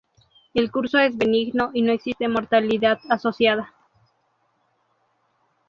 El curso es benigno y no existe mortalidad asociada.